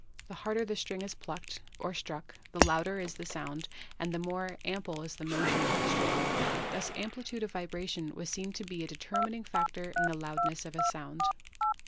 The harder the string is plucked or struck, the louder is the sound and the more ample is the motion of the string. Thus amplitude of vibration was seen to be a determining factor in the loudness of a sound.